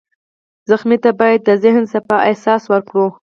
ټپي ته باید د ذهن صفا احساس ورکړو.